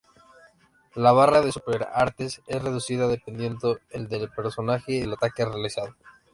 La barra de Super Artes es reducida dependiendo del personaje y del ataque realizado.